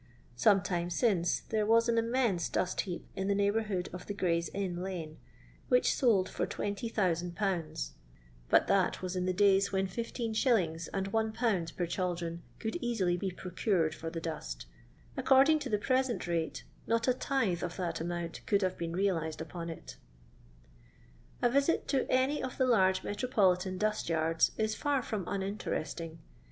Some time since there was an inunense dust heap in the neighbourhood of Gray's iun lane, which sold for 20,000^. ; but that was in the days when 15«. and 1/. per chaldron could easily be procured for the dust. According to the present rate, not a tithe of tha^ amount could have been realized upon it A visit to any of the large metropolitan dust yards is far from uninteresting.